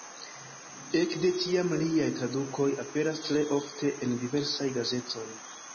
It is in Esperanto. Ekde tiam liaj tradukoj aperas tre ofte en diversaj gazetoj.